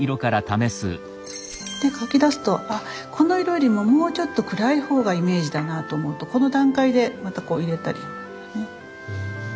そしてで描き出すとこの色よりももうちょっと暗い方がイメージだなと思うとこの段階でまたこう入れたりね。